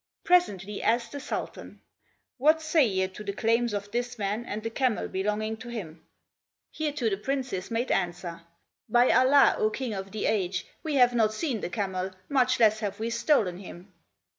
Presently, asked the Sultan, "What say ye to the claims of this man and the camel belonging to him?" Hereto the Princes made answer, "By Allah, O King of the Age, we have not seen the camel much less have we stolen him."